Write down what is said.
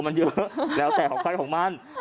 มันเยอะแล้วแต่ของใครของมัน